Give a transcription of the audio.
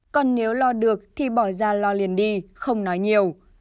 còn nếu lo được thì bỏ ra lo liền đi không nói nhiều